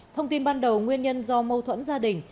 thông tin ban đầu nguyên nhân do mâu thuẫn gia đình